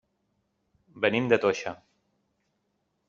Venim de Toixa.